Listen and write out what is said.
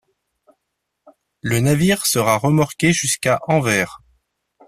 Le navire sera remorqué jusqu'à Anvers.